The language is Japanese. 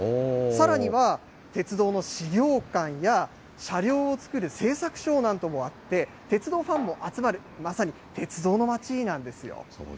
さらには、鉄道の資料館や車両を作る製作所などもあって、鉄道ファンも集まる、まさに鉄道の街なんですよ。